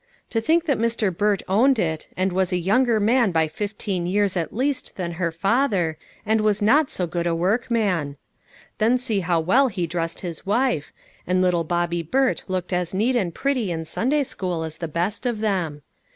To think that Mr. Burt owned it, and was a younger man by fifteen years at least than her father and was not so good a workman ! then see how well he dressed his wife ; and lit BEADY TO TRY. 343 tie Bobby Burt looked as neat and pretty in Sunday school as the best of them.